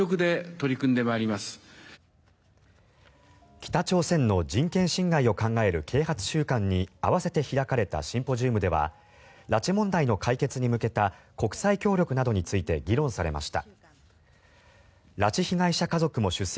北朝鮮の人権侵害を考える啓発週間に合わせて開かれたシンポジウムでは拉致問題の解決向けた国際協力などについて議論されました。